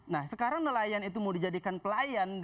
nah sekarang nelayan itu mau dijadikan pelayan